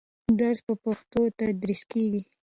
درس په پښتو تدریس کېږي.